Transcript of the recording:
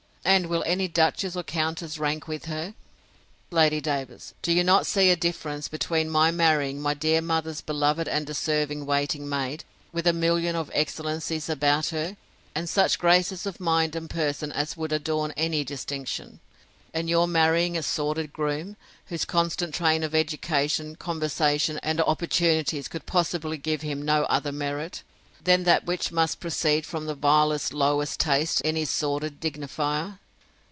And will any duchess or countess rank with her? Now, Lady Davers, do you not see a difference between my marrying my dear mother's beloved and deserving waiting maid, with a million of excellencies about her, and such graces of mind and person as would adorn any distinction; and your marrying a sordid groom, whose constant train of education, conversation, and opportunities, could possibly give him no other merit, than that which must proceed from the vilest, lowest taste, in his sordid dignifier?